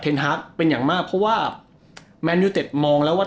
ธนิษฐ์ฮาร์กเป็นอย่างมากเพราะว่ามนตร์เย็นต์เต็จมองแล้วว่า